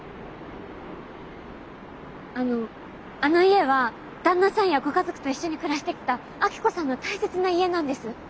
あのあの家は旦那さんやご家族と一緒に暮らしてきた明子さんの大切な家なんです。